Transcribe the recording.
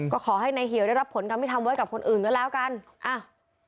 ก็ขอให้นายเหี่ยวได้รับผลกรรมที่ทำไว้กับคนอื่นก็แล้วกันอ้าว